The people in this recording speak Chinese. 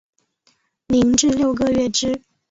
零至六个月之